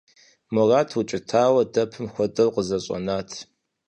Мурат, укӀытауэ, дэпым хуэдэу къызэщӀэнат.